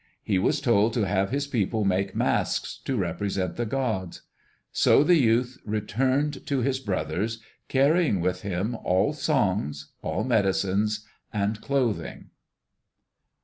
He was told to have his people make masks to represent the gods. So the youth returned to his brothers, carrying with him all songs, all medicines, and clothing.